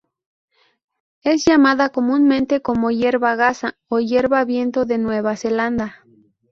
Es llamada comúnmente como "hierba gasa" o "hierba viento de Nueva Zelanda".